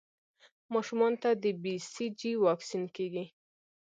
ماشومانو ته د بي سي جي واکسین کېږي.